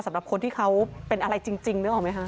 สำหรับคนที่เขาเป็นอะไรจริงนึกออกไหมคะ